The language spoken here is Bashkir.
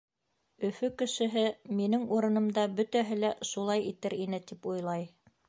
Өфө кешеһе: «Минең урынымда бөтәһе лә шулай итер ине!» — тип уйлай.